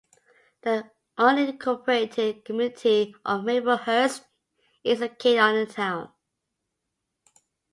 The unincorporated community of Maplehurst is located in the town.